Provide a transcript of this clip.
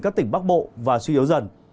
các tỉnh bắc bộ và suy yếu dần